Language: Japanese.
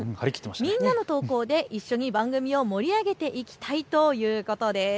みんなの投稿で一緒に番組を盛り上げていきたいということです。